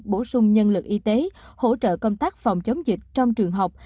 bổ sung nhân lực y tế hỗ trợ công tác phòng chống dịch trong trường học